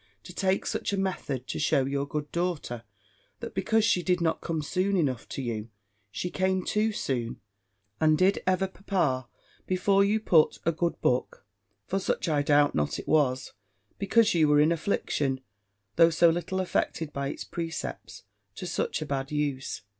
to take such a method to shew your good daughter, that because she did not come soon enough to you, she came too soon! And did ever papa before you put a good book (for such I doubt not it was, because you were in affliction, though so little affected by its precepts) to such a bad use?